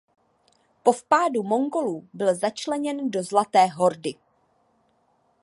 Po vpádu Mongolů byl začleněn do Zlaté hordy.